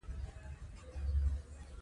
د کارګرو مولدیت په پام کې نه نیسي.